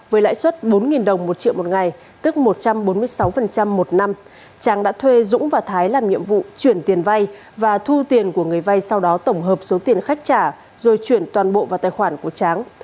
với lãi suất bốn đồng một triệu một ngày tức một trăm bốn mươi sáu một năm tráng đã thuê dũng và thái làm nhiệm vụ chuyển tiền vay và thu tiền của người vay sau đó tổng hợp số tiền khách trả rồi chuyển toàn bộ vào tài khoản của tráng